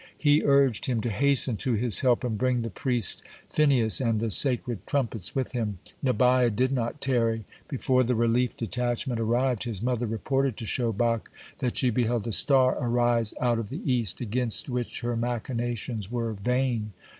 He urged him to hasten to his help and bring the priest Phinehas and the sacred trumpets with him. Nabiah did not tarry. Before the relief detachment arrived, his mother reported to Shobach that she beheld a star arise out of the East against which her machinations were vain.